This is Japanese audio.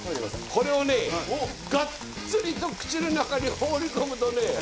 これをねガッツリと口の中に放り込むとね。